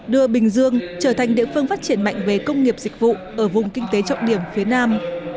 đưa bình dương trở thành địa phương phát triển mạnh về công nghiệp dịch vụ ở vùng kinh tế trọng điểm phía nam